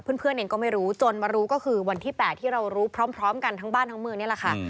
เพื่อนเองก็ไม่รู้จนมารู้ก็คือวันที่๘ที่เรารู้พร้อมกันทั้งบ้านทั้งเมืองนี่แหละค่ะ